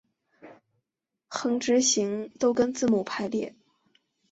横直行都跟字母排列。